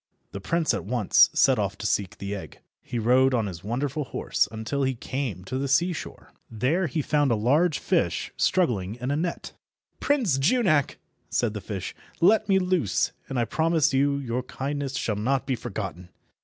The Prince at once set off to seek the egg. He rode on his wonderful horse until he came to the seashore. There he found a large fish struggling in a net. "Prince Junak," said the fish, "let me loose, and I promise you your kindness shall not be forgotten."